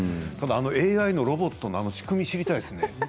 ただＡＩロボットの仕組み知りたいですね。